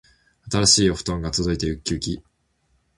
新しいお布団が届いてうっきうき